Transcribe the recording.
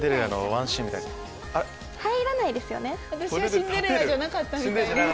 私はシンデレラじゃなかったみたいです。